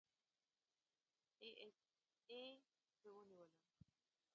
اى ايس اى زه ونیولم.